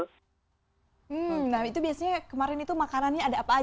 hmm nah itu biasanya kemarin itu makanannya ada apa aja